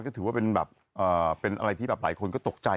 ก็ถือว่าเป็นอะไรที่หลายคนก็ตกใจ